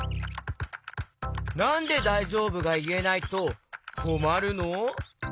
なんで「だいじょうぶ？」がいえないとこまるの？